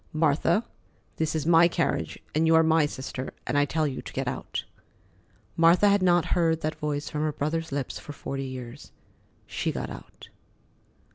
"Martha, this is my carriage, and you are my sister, and I tell you to get out." Martha had not heard that voice from her brother's lips for forty years. She got out.